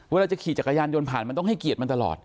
เวลาจะขี่จักรยานยนต์ผ่านมันต้องให้เกียรติมันตลอด